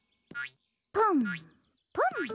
ポンポン。